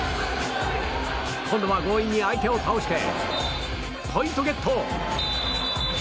今度は強引に相手を倒してポイントゲット！